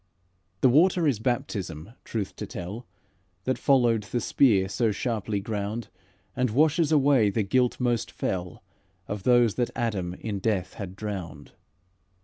The water is baptism, truth to tell, That followed the spear so sharply ground, And washes away the guilt most fell Of those that Adam in death had drowned.